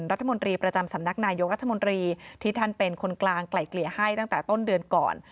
รัฐมนตรีประจำสำนักนายกรัฐมนตรีที่ท่านเป็นคนกลางไกล่เกลี่ยให้ตั้งแต่ต้นเดือนก่อน